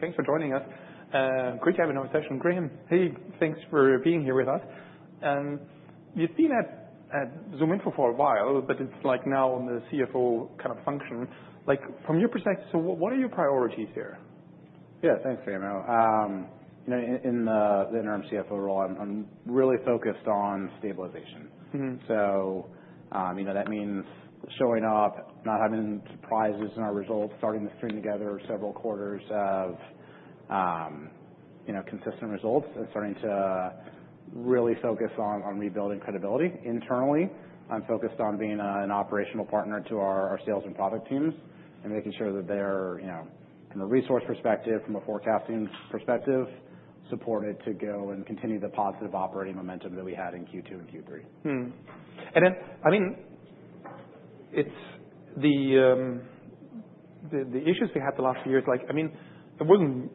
Thanks for joining us. Great to have you on our session, Graham. Hey, thanks for being here with us. You've been at ZoomInfo for a while, but it's like now on the CFO kind of function. Like, from your perspective, so what are your priorities here? Yeah, thanks, Samuel. You know, in the interim CFO role, I'm really focused on stabilization. Mm-hmm. So, you know, that means showing up, not having surprises in our results, starting to string together several quarters of, you know, consistent results, and starting to really focus on rebuilding credibility internally. I'm focused on being an operational partner to our sales and product teams and making sure that they're, you know, from a resource perspective, from a forecasting perspective, supported to go and continue the positive operating momentum that we had in Q2 and Q3. And then, I mean, it's the issues we had the last few years, like. I mean, it wasn't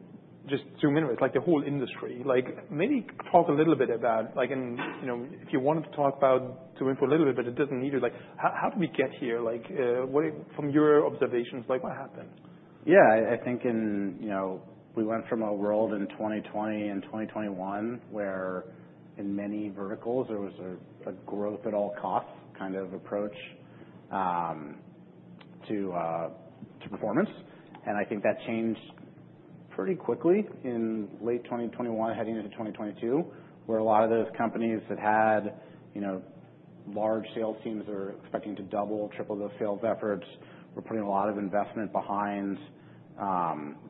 just ZoomInfo. It's like the whole industry. Like, maybe talk a little bit about, like, in, you know, if you wanted to talk about ZoomInfo a little bit, but it doesn't need to, like, how did we get here? Like, what, from your observations, like, what happened? Yeah, I think, you know, we went from a world in 2020 and 2021 where in many verticals there was a growth-at-all-costs kind of approach to performance. And I think that changed pretty quickly in late 2021, heading into 2022, where a lot of those companies that had, you know, large sales teams that were expecting to double, triple those sales efforts, were putting a lot of investment behind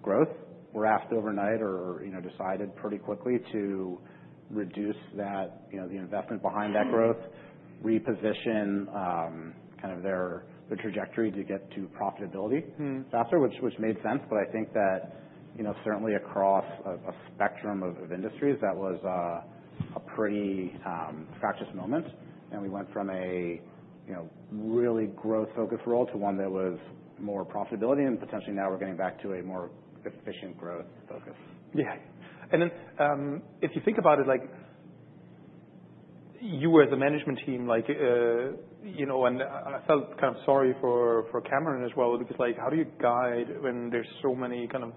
growth, were asked overnight or, you know, decided pretty quickly to reduce that, you know, the investment behind that growth, reposition kind of their trajectory to get to profitability faster, which made sense. But I think that, you know, certainly across a spectrum of industries, that was a pretty fractious moment. We went from a, you know, really growth-focused role to one that was more profitability, and potentially now we're getting back to a more efficient growth focus. Yeah. And then, if you think about it, like, you as a management team, like, you know, and I felt kind of sorry for Cameron as well because, like, how do you guide when there's so many kind of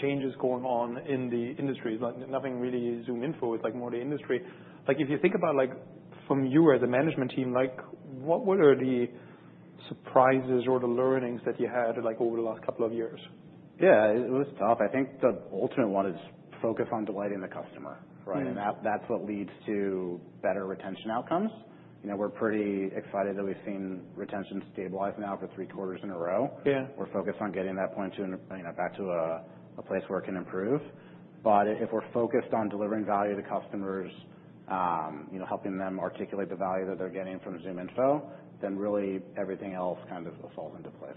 changes going on in the industry? Like, nothing really is ZoomInfo, it's like more the industry. Like, if you think about, like, from you as a management team, like, what were the surprises or the learnings that you had, like, over the last couple of years? Yeah, it was tough. I think the ultimate one is focus on delighting the customer, right? Mm-hmm. That's what leads to better retention outcomes. You know, we're pretty excited that we've seen retention stabilize now for three quarters in a row. Yeah. We're focused on getting that point to, you know, back to a place where it can improve. But if we're focused on delivering value to customers, you know, helping them articulate the value that they're getting from ZoomInfo, then really everything else kind of falls into place.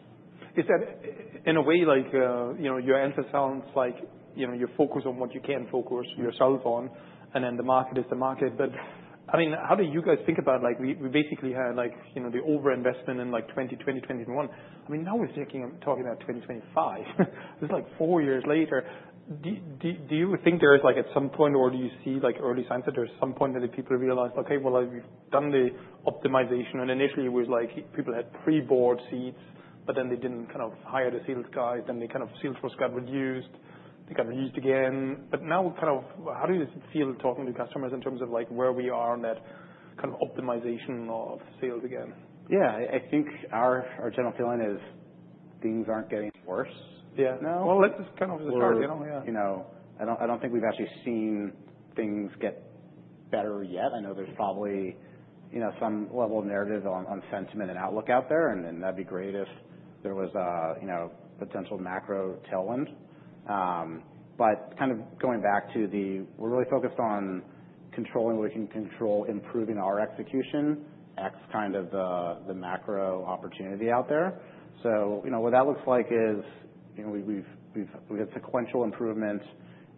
Is that in a way, like, you know, your answer sounds like, you know, you focus on what you can focus yourself on, and then the market is the market. But, I mean, how do you guys think about, like, we basically had, like, you know, the overinvestment in, like, 2020, 2021. I mean, now we're thinking of talking about 2025. This is like four years later. Do you think there is, like, at some point, or do you see, like, early signs that there's some point that the people realized, like, "Hey, well, I've done the optimization," and initially it was like people had pre-bought seats, but then they didn't kind of hire the sales guys, then they kind of sales force got reduced, they got reduced again. But now kind of how do you feel talking to customers in terms of, like, where we are on that kind of optimization of sales again? Yeah, I think our general feeling is things aren't getting worse. Yeah. Now. Let's just kind of start, you know. You know, I don't think we've actually seen things get better yet. I know there's probably, you know, some level of narrative on sentiment and outlook out there, and that'd be great if there was a, you know, potential macro tailwind. But kind of going back to the, we're really focused on controlling what we can control, improving our execution, except kind of the macro opportunity out there. So, you know, what that looks like is, you know, we had sequential improvements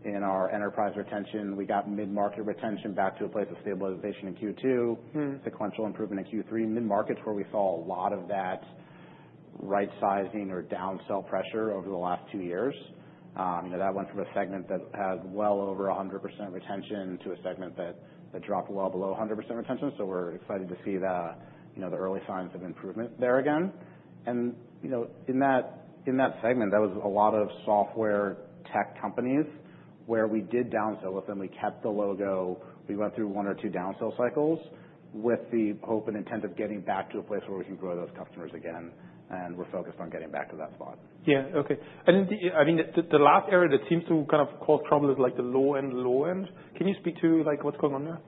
in our enterprise retention. We got mid-market retention back to a place of stabilization in Q2. Sequential improvement in Q3. Mid-market's where we saw a lot of that right-sizing or downsell pressure over the last two years. You know, that went from a segment that had well over 100% retention to a segment that dropped well below 100% retention. So we're excited to see the, you know, the early signs of improvement there again. And, you know, in that, in that segment, that was a lot of software tech companies where we did downsell with them. We kept the logo. We went through one or two downsell cycles with the hope and intent of getting back to a place where we can grow those customers again, and we're focused on getting back to that spot. Yeah. Okay. And then I mean the last area that seems to kind of cause problems is like the low-end. Can you speak to, like, what's going on there?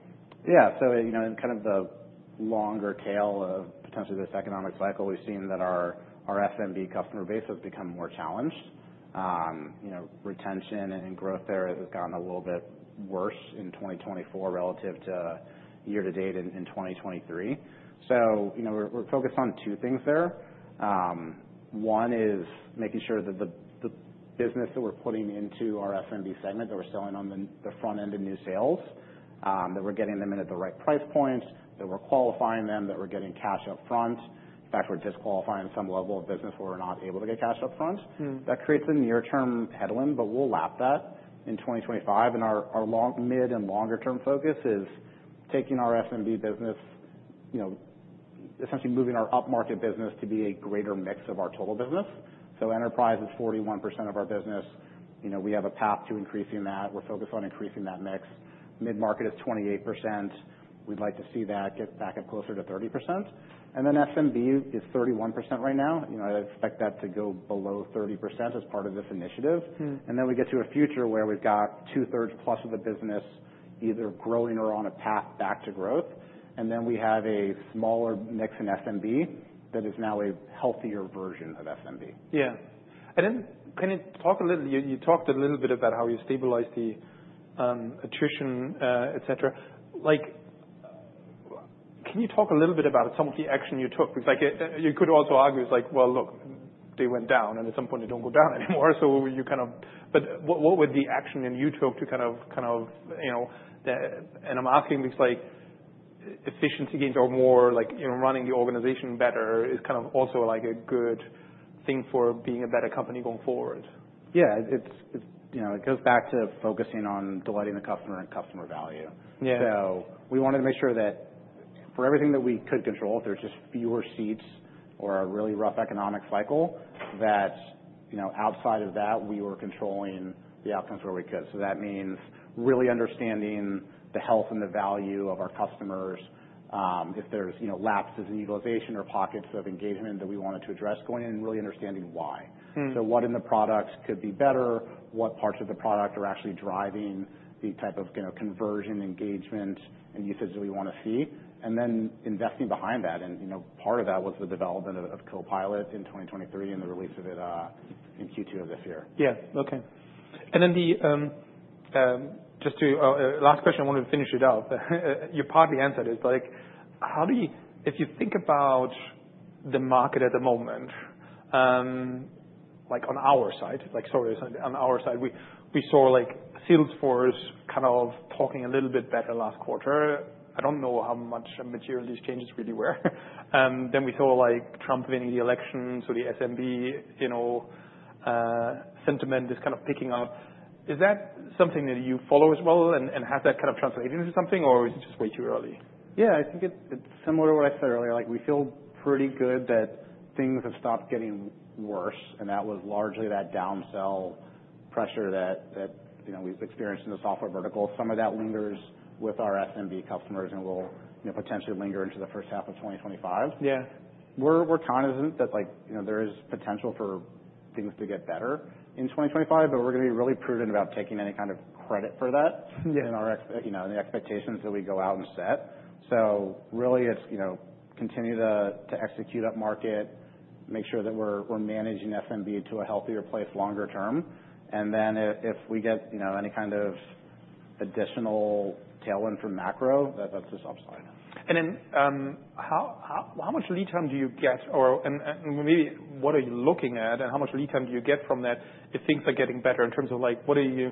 Yeah. So, you know, in kind of the longer tail of potentially this economic cycle, we've seen that our SMB customer base has become more challenged. You know, retention and growth there has gotten a little bit worse in 2024 relative to year-to-date in 2023. So, you know, we're focused on two things there. One is making sure that the business that we're putting into our SMB segment that we're selling on the front end of new sales, that we're getting them in at the right price point, that we're qualifying them, that we're getting cash upfront. In fact, we're disqualifying some level of business where we're not able to get cash upfront. That creates a near-term headwind, but we'll lap that in 2025. And our long-, mid-, and longer-term focus is taking our SMB business, you know, essentially moving our up-market business to be a greater mix of our total business. So enterprise is 41% of our business. You know, we have a path to increasing that. We're focused on increasing that mix. Mid-market is 28%. We'd like to see that get back up closer to 30%. And then SMB is 31% right now. You know, I expect that to go below 30% as part of this initiative. And then we get to a future where we've got two-thirds plus of the business either growing or on a path back to growth. And then we have a smaller mix in SMB that is now a healthier version of SMB. Yeah. And then can you talk a little. You talked a little bit about how you stabilized the attrition, etc. Like, can you talk a little bit about some of the action you took? Because, like, you could also argue it's like, "Well, look, they went down, and at some point they don't go down anymore." So you kind of but what were the action then you took to kind of, you know, and I'm asking because, like, efficiency gains are more, like, you know, running the organization better is kind of also like a good thing for being a better company going forward. Yeah. It's, it's, you know, it goes back to focusing on delighting the customer and customer value. Yeah. So we wanted to make sure that for everything that we could control, if there were just fewer seats or a really rough economic cycle, that, you know, outside of that, we were controlling the outcomes where we could. So that means really understanding the health and the value of our customers, if there's, you know, lapses in utilization or pockets of engagement that we wanted to address going in and really understanding why. So what in the products could be better, what parts of the product are actually driving the type of, you know, conversion, engagement, and usage that we want to see, and then investing behind that. And, you know, part of that was the development of Copilot in 2023 and the release of it in Q2 of this year. Yeah. Okay. And then the, just to, last question, I wanted to finish it up. You partly answered this, but, like, how do you if you think about the market at the moment, like on our side, like, sorry, on our side, we, we saw, like, Salesforce kind of talking a little bit better last quarter. I don't know how much material these changes really were. Then we saw, like, Trump winning the election, so the SMB, you know, sentiment is kind of picking up. Is that something that you follow as well and, and has that kind of translated into something, or is it just way too early? Yeah, I think it's similar to what I said earlier. Like, we feel pretty good that things have stopped getting worse, and that was largely that downsell pressure that you know we've experienced in the software vertical. Some of that lingers with our SMB customers and will you know potentially linger into the first half of 2025. Yeah. We're cognizant that, like, you know, there is potential for things to get better in 2025, but we're going to be really prudent about taking any kind of credit for that. Yeah. In the expectations that we go out and set. So really, it's, you know, continue to execute up-market, make sure that we're managing SMB to a healthier place longer term. And then if we get, you know, any kind of additional tailwind from macro, that's just upside. And then, how much lead time do you get or, and maybe what are you looking at and how much lead time do you get from that if things are getting better in terms of, like, what do you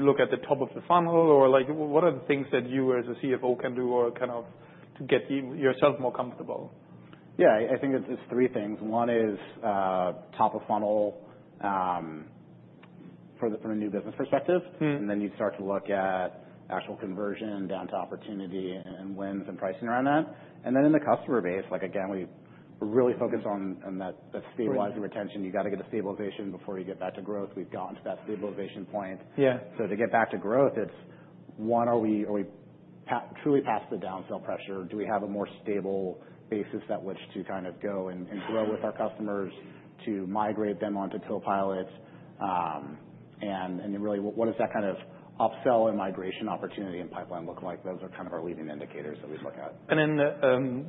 look at the top of the funnel or, like, what are the things that you as a CFO can do or kind of to get yourself more comfortable? Yeah, I think it's three things. One is top of funnel from a new business perspective. And then you start to look at actual conversion down to opportunity and wins and pricing around that. And then in the customer base, like, again, we really focus on that stabilizing retention. You got to get a stabilization before you get back to growth. We've gotten to that stabilization point. Yeah. So to get back to growth, it's one: are we truly past the downsell pressure? Do we have a more stable basis at which to kind of go and grow with our customers to migrate them onto Copilot? And really, what does that kind of upsell and migration opportunity and pipeline look like? Those are kind of our leading indicators that we look at. And then,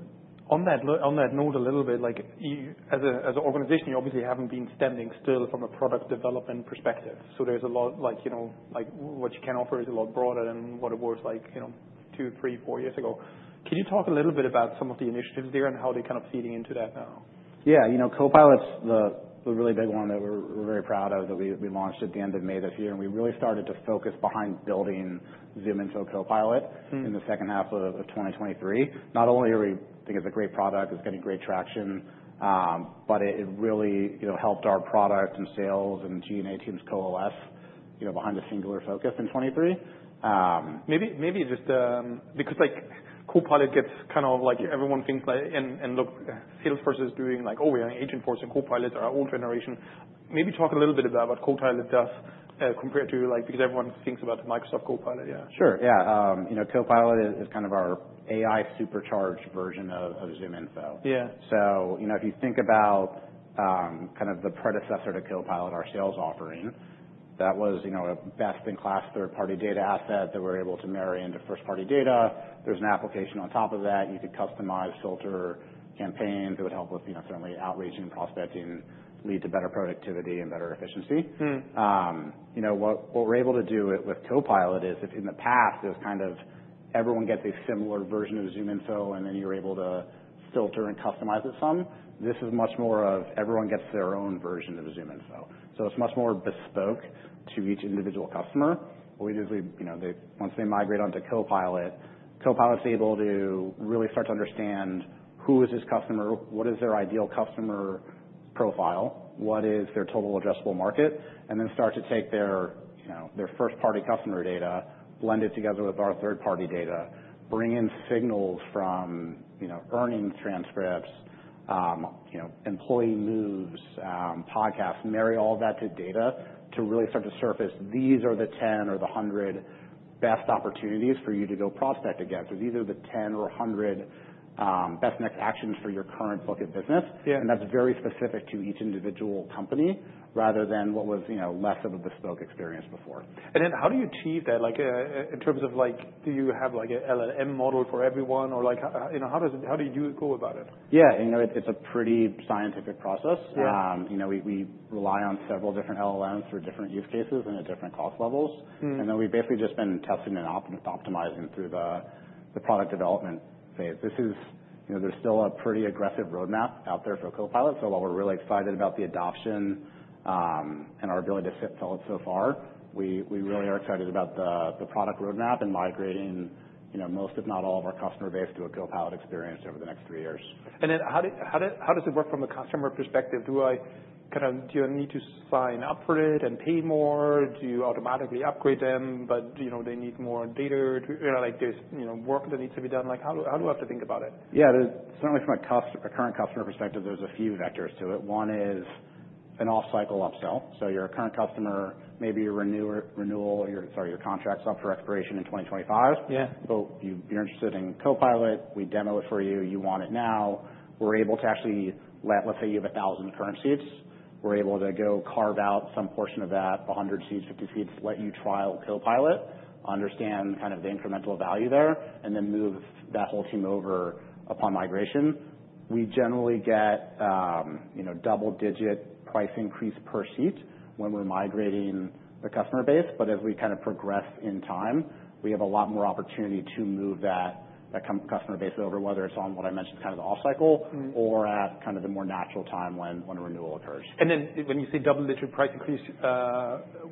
on that, on that note a little bit, like, you as a, as an organization, you obviously haven't been standing still from a product development perspective. So there's a lot, like, you know, like, what you can offer is a lot broader than what it was like, you know, two, three, four years ago. Can you talk a little bit about some of the initiatives there and how they're kind of feeding into that now? Yeah. You know, Copilot's the really big one that we're very proud of that we launched at the end of May this year, and we really started to focus behind building ZoomInfo Copilot. In the second half of 2023. Not only are we think it's a great product, it's getting great traction, but it really, you know, helped our product and sales and G&A teams coalesce, you know, behind a singular focus in 2023. Maybe just, because like, Copilot gets kind of like everyone thinks like, and look, Salesforce is doing like, oh, we're doing Agentforce and Copilot are old generation. Maybe talk a little bit about what Copilot does, compared to like, because everyone thinks about Microsoft Copilot. Yeah. Sure. Yeah. You know, Copilot is kind of our AI supercharged version of ZoomInfo. Yeah. So, you know, if you think about, kind of the predecessor to Copilot, our sales offering, that was, you know, a best-in-class third-party data asset that we're able to marry into first-party data. There's an application on top of that. You could customize, filter campaigns that would help with, you know, certainly outreach and prospecting, lead to better productivity and better efficiency. You know, what we're able to do with Copilot is if in the past it was kind of everyone gets a similar version of ZoomInfo, and then you're able to filter and customize it some, this is much more of everyone gets their own version of ZoomInfo. So it's much more bespoke to each individual customer. What we do is we, you know, they once they migrate onto Copilot, Copilot's able to really start to understand who is this customer, what is their ideal customer profile, what is their total addressable market, and then start to take their, you know, their first-party customer data, blend it together with our third-party data, bring in signals from, you know, earnings transcripts, you know, employee moves, podcasts, marry all that to data to really start to surface these are the 10 or the 100 best opportunities for you to go prospect against, or these are the 10 or 100, best next actions for your current book of business. Yeah. That's very specific to each individual company rather than what was, you know, less of a bespoke experience before. And then how do you achieve that? Like, in terms of, like, do you have, like, a LLM model for everyone or, like, how, you know, how do you go about it? Yeah. You know, it's a pretty scientific process. Yeah. You know, we rely on several different LLMs for different use cases and at different cost levels. Then we've basically just been testing and optimizing through the product development phase. You know, there's still a pretty aggressive roadmap out there for Copilot. While we're really excited about the adoption and our ability to sell it so far, we really are excited about the product roadmap and migrating, you know, most, if not all, of our customer base to a Copilot experience over the next three years. How does it work from a customer perspective? Do I kind of need to sign up for it and pay more? Do you automatically upgrade them? But you know, they need more data to, you know, like, there's you know, work that needs to be done. Like, how do I have to think about it? Yeah. There's certainly from a customer perspective, there's a few vectors to it. One is an off-cycle upsell. So your current customer, maybe your renewal or your sorry, your contract's up for expiration in 2025. Yeah. So you're interested in Copilot. We demo it for you. You want it now. We're able to actually let's say you have 1,000 current seats. We're able to go carve out some portion of that, 100 seats, 50 seats, let you trial Copilot, understand kind of the incremental value there, and then move that whole team over upon migration. We generally get, you know, double-digit price increase per seat when we're migrating the customer base. But as we kind of progress in time, we have a lot more opportunity to move that customer base over, whether it's on what I mentioned is kind of the off-cycle. Or at kind of the more natural time when a renewal occurs. And then when you say double-digit price increase,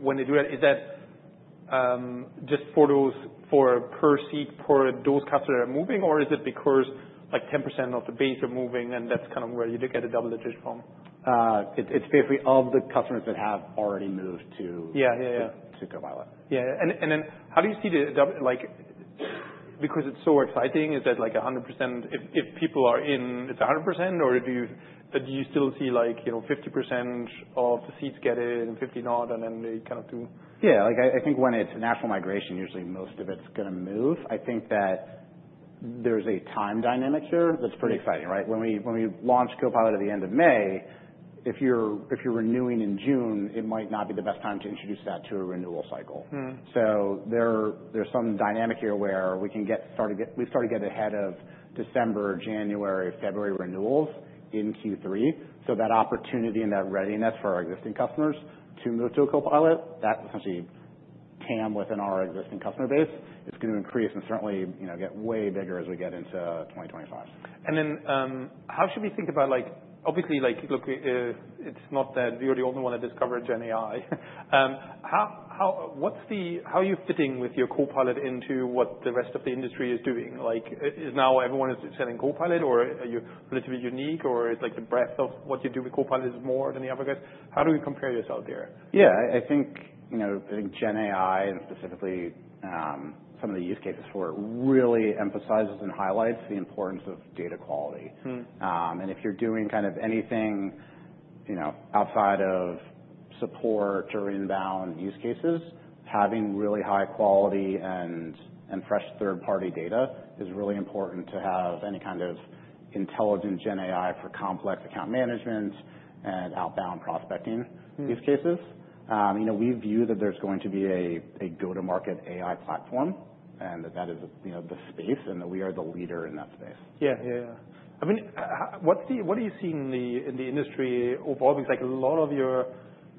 when they do that, is that just for those per seat per those customers that are moving, or is it because, like, 10% of the base are moving, and that's kind of where you look at a double-digit from? It's basically of the customers that have already moved to. Yeah. Yeah. Yeah. To Copilot. Yeah. And then how do you see the double like, because it's so exciting, is that like 100% if people are in, it's 100%, or do you still see like, you know, 50% of the seats get it and 50 not, and then they kind of do? Yeah. Like, I think when it's national migration, usually most of it's going to move. I think that there's a time dynamic here that's pretty exciting, right? When we launch Copilot at the end of May, if you're renewing in June, it might not be the best time to introduce that to a renewal cycle. So there's some dynamic here where we can get started. We've started to get ahead of December, January, February renewals in Q3. So that opportunity and that readiness for our existing customers to move to a Copilot, that essentially tandem within our existing customer base, it's going to increase and certainly, you know, get way bigger as we get into 2025. Then, how should we think about, like, obviously, like, look, it's not that you're the only one that discovered GenAI? How are you fitting your Copilot into what the rest of the industry is doing? Like, now everyone is selling Copilot, or are you a little bit unique, or is, like, the breadth of what you do with Copilot more than the other guys? How do you compare yourself there? Yeah. I think, you know, I think GenAI and specifically some of the use cases for it really emphasizes and highlights the importance of data quality, and if you're doing kind of anything, you know, outside of support or inbound use cases, having really high quality and fresh third-party data is really important to have any kind of intelligent GenAI for complex account management and outbound prospecting use cases, you know. We view that there's going to be a go-to-market AI platform and that that is, you know, the space and that we are the leader in that space. Yeah. I mean, what are you seeing in the industry evolving? Like, a lot of your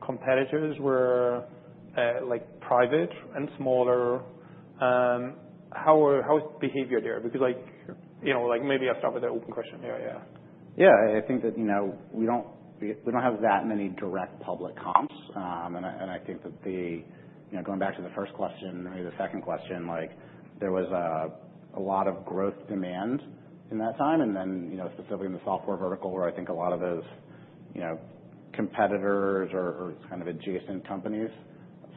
competitors were, like, private and smaller. How is behavior there? Because, like, you know, like, maybe I'll start with the open question. Yeah. Yeah. I think that, you know, we don't have that many direct public comps. And I think that, you know, going back to the first question or the second question, like, there was a lot of growth demand in that time. Then, you know, specifically in the software vertical, where I think a lot of those, you know, competitors or kind of adjacent companies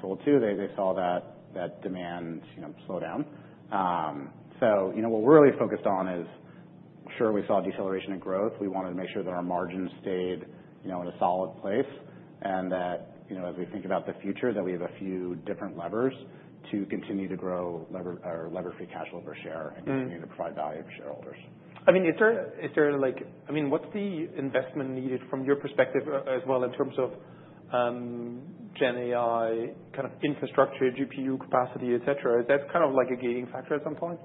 sold to, they saw that demand, you know, slow down. So, you know, what we're really focused on is, sure, we saw deceleration in growth. We wanted to make sure that our margin stayed, you know, in a solid place and that, you know, as we think about the future, that we have a few different levers to continue to grow lever or levered free cash lever share and continue to provide value to shareholders. I mean, is there, like, I mean, what's the investment needed from your perspective as well in terms of, GenAI kind of infrastructure, GPU capacity, etc.? Is that kind of like a gating factor at some point?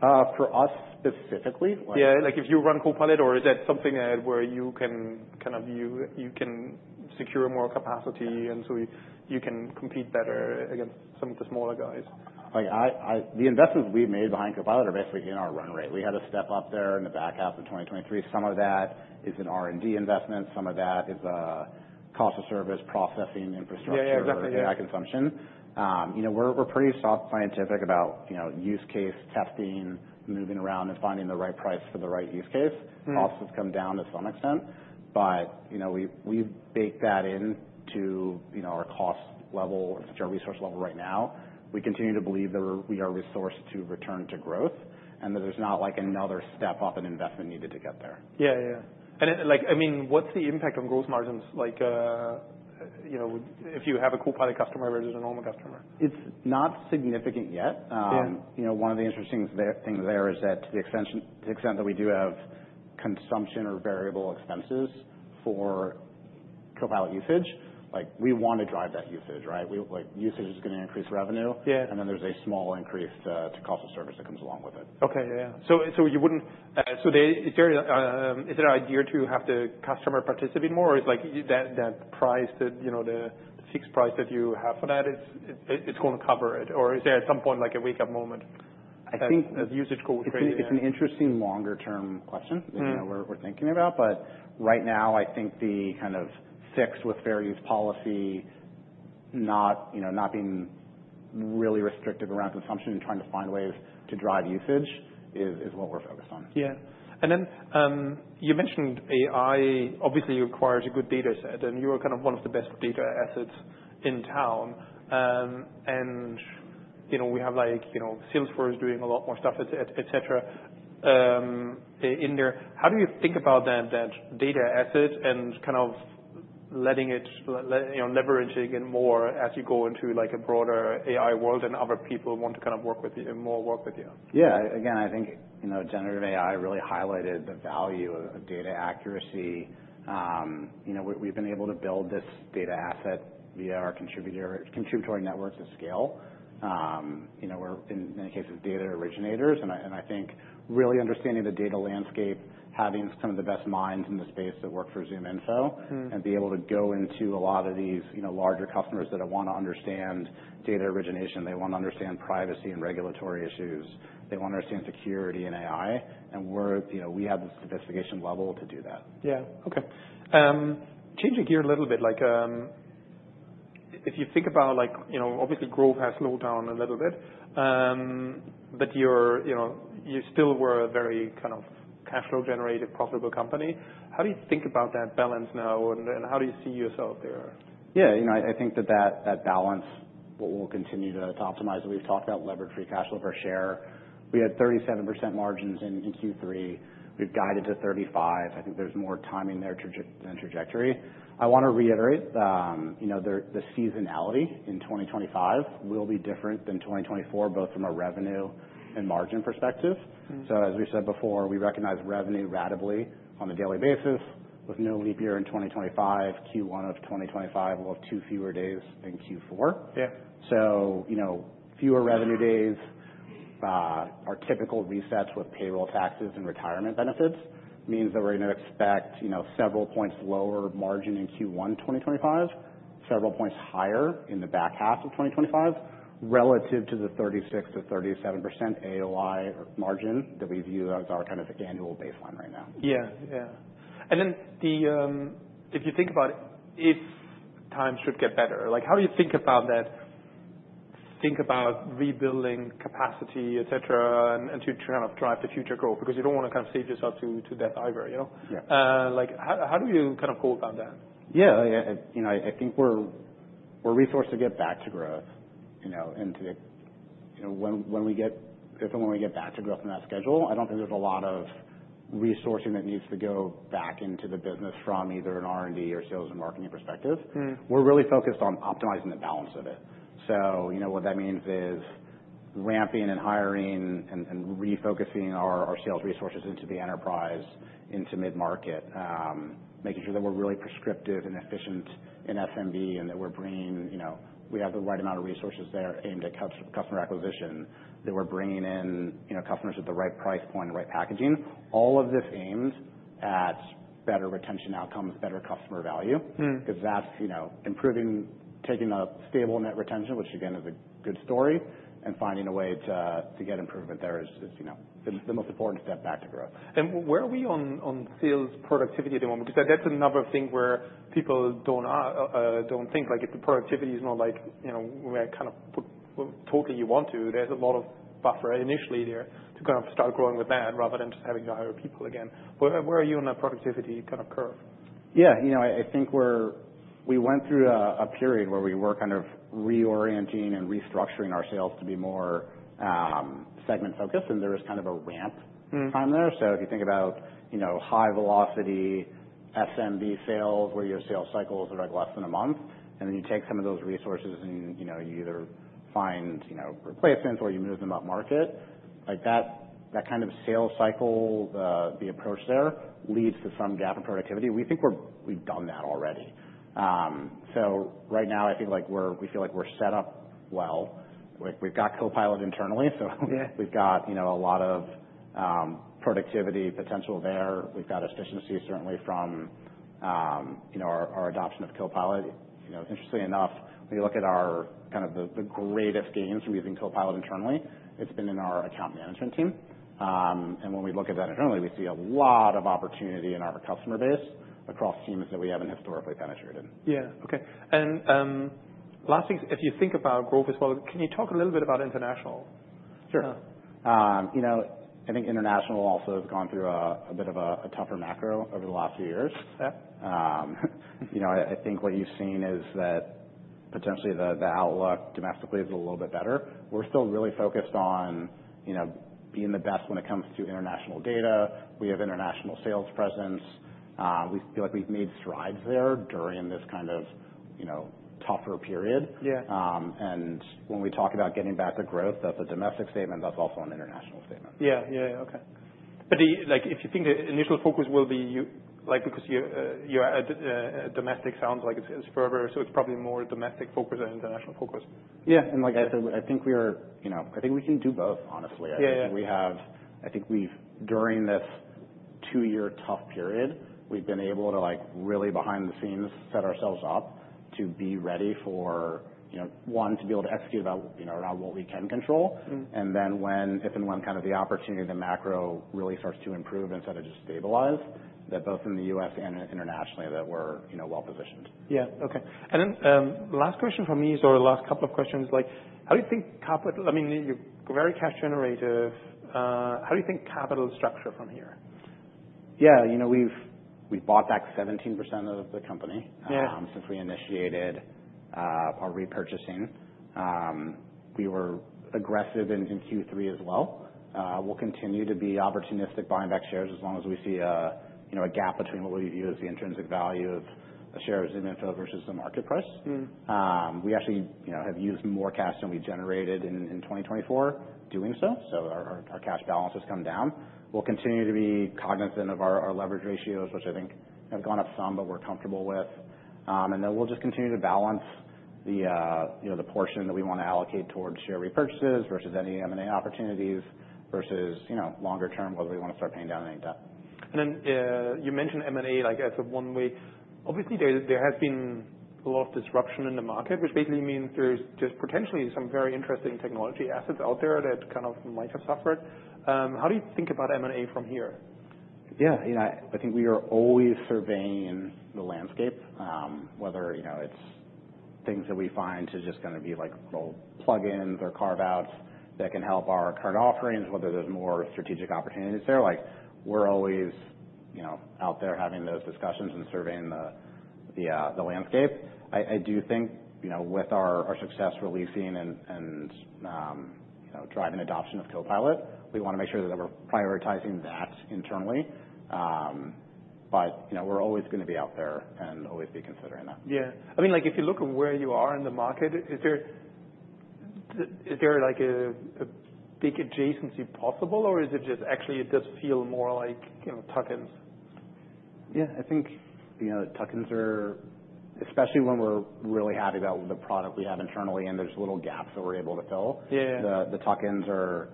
for us specifically? Yeah. Like, if you run Copilot, or is that something where you can kind of you can secure more capacity and so you can compete better against some of the smaller guys? Like, the investments we've made behind Copilot are basically in our run rate. We had a step up there in the back half of 2023. Some of that is in R&D investments. Some of that is cost of service, processing infrastructure. Yeah. Yeah. Exactly. AI consumption. You know, we're sort of scientific about, you know, use case testing, moving around and finding the right price for the right use case. Costs have come down to some extent, but you know, we've baked that into our cost level or resource level right now. We continue to believe that we are resourced to return to growth and that there's not, like, another step up in investment needed to get there. Like, I mean, what's the impact on gross margins? Like, you know, if you have a Copilot customer versus a normal customer? It's not significant yet. Yeah. You know, one of the interesting things there is that to the extent that we do have consumption or variable expenses for Copilot usage, like, we want to drive that usage, right? We, like, usage is going to increase revenue. Yeah. There's a small increase to cost of service that comes along with it. Okay. Yeah. Is there an idea to have the customer participate more, or it's like that price, you know, the fixed price that you have for that, it's going to cover it? Or is there at some point, like, a wake-up moment? I think. That usage goes crazy? It's an interesting longer-term question that, you know, we're thinking about. But right now, I think the kind of fit with fair use policy, not, you know, being really restrictive around consumption and trying to find ways to drive usage is what we're focused on. Yeah. And then, you mentioned AI obviously requires a good data set, and you are kind of one of the best data assets in town. And, you know, we have, like, you know, Salesforce doing a lot more stuff, etc., in there. How do you think about that, that data asset and kind of letting it, you know, leveraging it more as you go into, like, a broader AI world and other people want to kind of work with you more? Yeah. Again, I think, you know, generative AI really highlighted the value of data accuracy. You know, we've been able to build this data asset via our contributory network to scale. You know, we're, in many cases, data originators. And I, and I think really understanding the data landscape, having some of the best minds in the space that work for ZoomInfo. And be able to go into a lot of these, you know, larger customers that want to understand data origination. They want to understand privacy and regulatory issues. They want to understand security and AI. And we're, you know, we have the sophistication level to do that. Yeah. Okay. Changing gear a little bit, like, if you think about, like, you know, obviously growth has slowed down a little bit, but you're, you know, you still were a very kind of cash flow-generated, profitable company. How do you think about that balance now, and how do you see yourself there? Yeah. You know, I think that balance, what we'll continue to optimize. We've talked about levered free cash flow per share. We had 37% margins in Q3. We've guided to 35%. I think there's more timing there than trajectory. I want to reiterate, you know, the seasonality in 2025 will be different than 2024, both from a revenue and margin perspective. So as we said before, we recognize revenue ratably on a daily basis. With no leap year in 2025, Q1 of 2025 will have two fewer days than Q4. Yeah. So, you know, fewer revenue days, our typical resets with payroll taxes and retirement benefits means that we're going to expect, you know, several points lower margin in Q1 2025, several points higher in the back half of 2025 relative to the 36%-37% AOI margin that we view as our kind of annual baseline right now. Yeah. Yeah. And then, if you think about if times should get better, like, how do you think about that, think about rebuilding capacity, etc., and to kind of drive the future growth? Because you don't want to kind of save yourself to death either, you know? Yeah. like, how, how do you kind of go about that? Yeah. I think we're resourced to get back to growth, you know, and to, you know, when, if and when we get back to growth in that schedule, I don't think there's a lot of resourcing that needs to go back into the business from either an R&D or sales and marketing perspective. We're really focused on optimizing the balance of it. So, you know, what that means is ramping and hiring and refocusing our sales resources into the enterprise, into mid-market, making sure that we're really prescriptive and efficient in SMB and that we're bringing, you know, we have the right amount of resources there aimed at customer acquisition, that we're bringing in, you know, customers at the right price point and right packaging. All of this aims at better retention outcomes, better customer value. Because that's, you know, improving taking a stable net retention, which again is a good story, and finding a way to get improvement there is, you know, the most important step back to growth. Where are we on sales productivity at the moment? Because that's another thing where people don't think, like, if the productivity is not like, you know, where kind of totally you want to, there's a lot of buffer initially there to kind of start growing with that rather than just having to hire people again. Where are you on that productivity kind of curve? Yeah. You know, I think we went through a period where we were kind of reorienting and restructuring our sales to be more segment-focused, and there was kind of a ramp time there. So if you think about, you know, high-velocity SMB sales where your sales cycles are like less than a month, and then you take some of those resources and, you know, you either find replacements or you move them up market, like that kind of sales cycle, the approach there leads to some gap in productivity. We think we've done that already. So right now, I feel like we feel like we're set up well. Like, we've got Copilot internally, so. Yeah. We've got, you know, a lot of productivity potential there. We've got efficiency, certainly, from, you know, our adoption of Copilot. You know, interestingly enough, when you look at our kind of the greatest gains from using Copilot internally, it's been in our account management team, and when we look at that internally, we see a lot of opportunity in our customer base across teams that we haven't historically penetrated. Yeah. Okay. And last thing is, if you think about growth as well, can you talk a little bit about international? Sure. Yeah. You know, I think international also has gone through a bit of a tougher macro over the last few years. Yeah. You know, I think what you've seen is that potentially the outlook domestically is a little bit better. We're still really focused on, you know, being the best when it comes to international data. We have international sales presence. We feel like we've made strides there during this kind of, you know, tougher period. Yeah. And when we talk about getting back to growth, that's a domestic statement. That's also an international statement. Yeah. Okay. But do you, like, if you think the initial focus will be you, like, because you're at domestic, sounds like it's further, so it's probably more domestic focus than international focus? Yeah. And like I said, I think we are, you know, I think we can do both, honestly. Yeah. I think we've, during this two-year tough period, we've been able to, like, really behind the scenes set ourselves up to be ready for, you know, one, to be able to execute about, you know, around what we can control. And then when, if and when kind of the opportunity, the macro really starts to improve instead of just stabilize, that both in the U.S. and internationally, that we're, you know, well-positioned. Yeah. Okay. And then, last question for me is, or last couple of questions, like, how do you think capital. I mean, you're very cash generative. How do you think capital structure from here? Yeah. You know, we've bought back 17% of the company. Yeah. Since we initiated our repurchasing, we were aggressive in Q3 as well. We'll continue to be opportunistic buying back shares as long as we see a you know a gap between what we view as the intrinsic value of a share of ZoomInfo versus the market price. We actually you know have used more cash than we generated in 2024 doing so. So our cash balance has come down. We'll continue to be cognizant of our leverage ratios, which I think have gone up some, but we're comfortable with. And then we'll just continue to balance the you know the portion that we want to allocate towards share repurchases versus any M&A opportunities versus you know longer-term whether we want to start paying down any debt. And then, you mentioned M&A, like, as a one-way. Obviously, there has been a lot of disruption in the market, which basically means there's just potentially some very interesting technology assets out there that kind of might have suffered. How do you think about M&A from here? Yeah. You know, I think we are always surveying the landscape, whether, you know, it's things that we find to just going to be, like, little plug-ins or carve-outs that can help our current offerings, whether there's more strategic opportunities there. Like, we're always, you know, out there having those discussions and surveying the landscape. I do think, you know, with our success releasing and, you know, driving adoption of Copilot, we want to make sure that we're prioritizing that internally, but, you know, we're always going to be out there and always be considering that. Yeah. I mean, like, if you look at where you are in the market, is there, like, a big adjacency possible, or is it just actually it does feel more like, you know, tuck-ins? Yeah. I think, you know, tuck-ins are especially when we're really happy about the product we have internally and there's little gaps that we're able to fill. Yeah. Yeah. The tuck-ins are,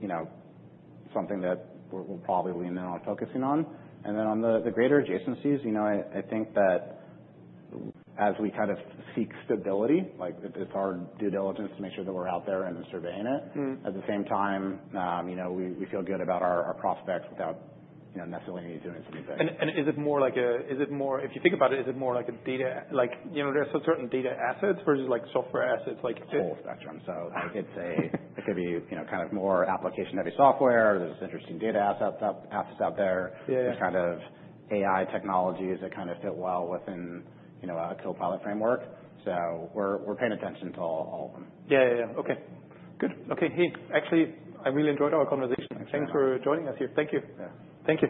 you know, something that we'll probably lean in on focusing on. And then on the greater adjacencies, you know, I think that as we kind of seek stability, like, it's our due diligence to make sure that we're out there and surveying it. At the same time, you know, we feel good about our prospects without, you know, necessarily needing to do anything new. Is it more like a data, if you think about it, like, you know, there's some certain data assets versus, like, software assets, like? The full spectrum. So it's, it could be, you know, kind of more application-heavy software. There's interesting data assets out there. Yeah. There's kind of AI technologies that kind of fit well within, you know, a Copilot framework. So we're paying attention to all of them. Yeah. Yeah. Yeah. Okay. Good. Okay. Hey, actually, I really enjoyed our conversation. Excellent. Thanks for joining us here. Thank you. Yeah. Thank you.